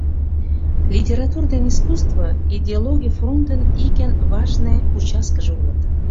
«Литератур ден искусство — идеологий фронтын ик эн важне участкыже улыт.